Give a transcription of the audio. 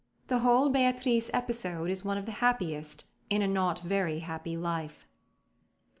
The whole Beatrice episode is one of the happiest in a not very happy life.